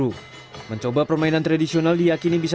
untuk cara permainannya seperti apa mas